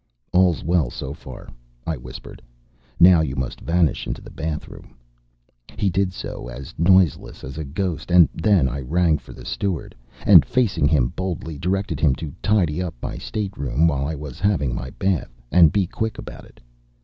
"All's well so far," I whispered. "Now you must vanish into the bathroom." He did so, as noiseless as a ghost, and then I rang for the steward, and facing him boldly, directed him to tidy up my stateroom while I was having my bath "and be quick about it."